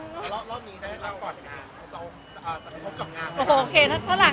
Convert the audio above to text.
แล้วรอบนี้ถ้าให้เราก่อนงานจะคบกับงาน